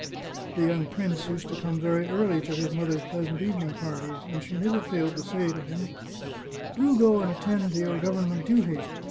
The young prince used to come very early to his mother's pleasant evening parties, and she never failed to say to him :" Do go and attend to your government duties